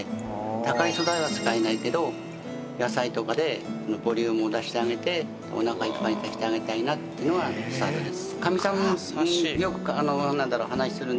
高い素材は使えないけど野菜とかでボリュームを出してあげておなかいっぱいにさせてあげたいなっていうのがスタートです。